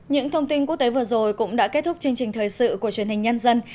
những thông tin quốc tế vừa rồi cũng đã kết thúc chương trình thời sự của truyền hình nhân dân